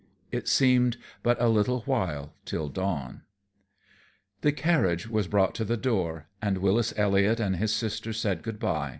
It seemed but a little while till dawn. The carriage was brought to the door and Wyllis Elliot and his sister said good by.